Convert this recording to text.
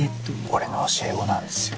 俺の教え子なんですよ。